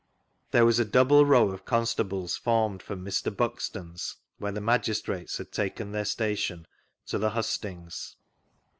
There was a double row of constables formed from Mr. Buxton's (where the magistrates had taken their station) to the hustings.